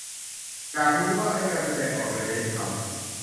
อยากรู้ว่าไอ้การแสดงออกโดยเน้นคำ